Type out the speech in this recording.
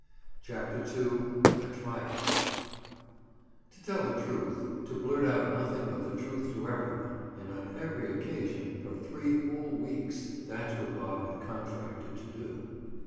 CHAPTER II—A TRY OUT To tell the truth—to blurt out nothing but the truth to every one, and on every occasion, for three whole weeks—that's what Bob had contracted to do.